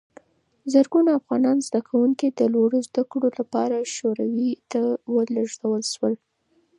زرګونه افغان زدکوونکي د لوړو زده کړو لپاره شوروي ته ولېږل شول.